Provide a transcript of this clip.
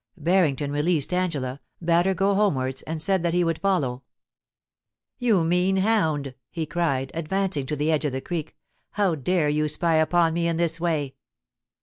Barrington released Angela, bade her go homewards, and said that he would follow. ' You mean hound !* he cried, advancing to the edge of the creek ;* how dare you spy upon me in this way